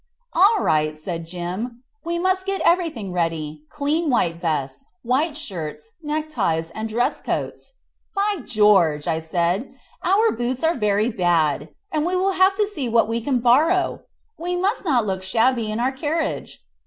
"All right," said Jim; "we must get everything ready clean white vests, white shirts, neckties, and dress coats." "By George!" said I, "our boots are very bad, and we will have to see what we can borrow. We must not look shabby in our carriage."